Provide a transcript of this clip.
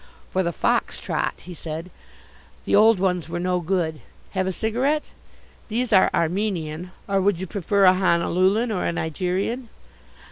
"For the fox trot," he said. "The old ones were no good. Have a cigarette? These are Armenian, or would you prefer a Honolulan or a Nigerian?